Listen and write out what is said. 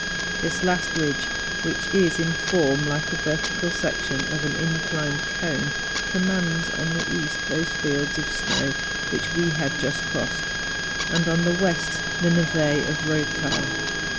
This last ridge, which is in form like a vertical section of an inclined cone, com¬ mands on the east those fields of snow which we had just crossed, and on the west the neve of the Eoththal.